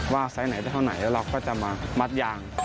ไซส์ไหนได้เท่าไหนแล้วเราก็จะมามัดยาง